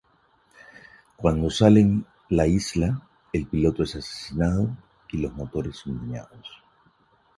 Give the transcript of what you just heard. Cuando salen la isla, el piloto es asesinado y los motores son dañados.